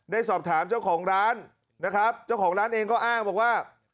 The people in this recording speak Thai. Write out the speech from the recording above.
ได้สอบถามเจ้าของร้านนะครับเจ้าของร้านเองก็อ้างบอกว่า